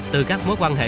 từ các mối quan hệ